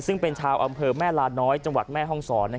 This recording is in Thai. ซึ่งเป็นชาวอำเภอแม่ลาน้อยจังหวัดแม่ห้องศร